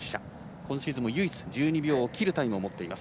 今シーズンも唯一１２秒切るタイムを持っています。